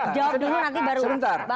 jawab dulu nanti baru